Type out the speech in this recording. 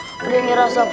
aduh udah nyerah sob